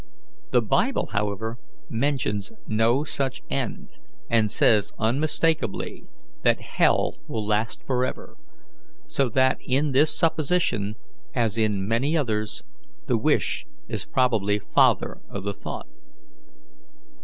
The Bible, however, mentions no such end, and says unmistakably that hell will last forever; so that in this supposition, as in many others, the wish is probably father of the thought."